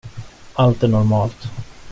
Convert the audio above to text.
Allt är normalt.